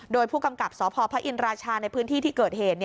โดยผู้กำกับสพพระอินราชาในพื้นที่ที่เกิดเหตุ